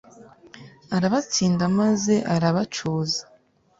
arabatsinda maze arabacuza